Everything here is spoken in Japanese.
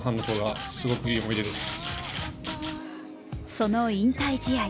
その引退試合。